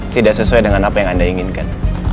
tidak sesuai dengan apa yang anda inginkan